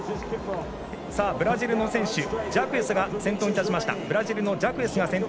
ブラジルの選手ジャクエスが先頭に立ちました。